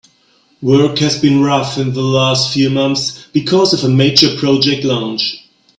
Work has been rough in the last few months because of a major project launch.